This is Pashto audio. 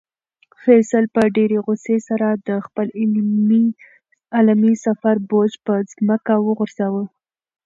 فیصل په ډېرې غوسې سره د خپل علمي سفر بوج په ځمکه وغورځاوه.